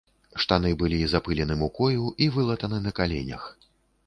Штаны былі запылены мукою і вылатаны на каленях.